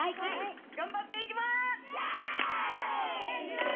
頑張っていきます！